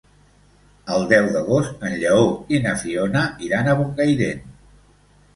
El deu d'agost en Lleó i na Fiona iran a Bocairent.